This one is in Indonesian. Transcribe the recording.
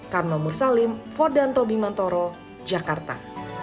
karma mursalim fodan tobimantoro jakarta